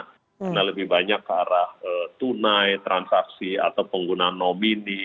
karena lebih banyak ke arah tunai transaksi atau penggunaan nomini